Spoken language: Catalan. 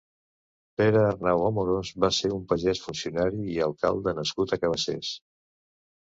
Pere Arnau Amorós va ser un pagès, funcionari i alcalde nascut a Cabassers.